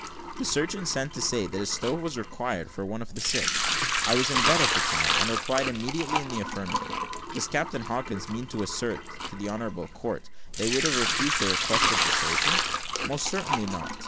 The surgeon sent to say that a stove was required for one of the sick. I was in bed at the time, and replied immediately in the affirmative. Does Captain Hawkins mean to assert to the honourable court, that he would have refused the request of the surgeon? Most certainly not.